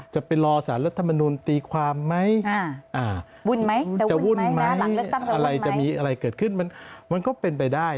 จะไปรอสารรัฐมนุนตีความไหมจะวุ่นไหมอะไรเกิดขึ้นมันก็เป็นไปได้